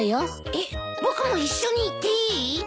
えっ僕も一緒に行っていい？